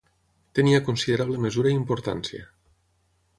Tenia considerable mesura i importància.